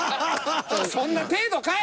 そんな程度かい！